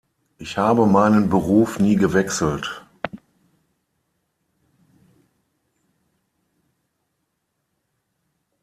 Ich habe meinen Beruf nie gewechselt.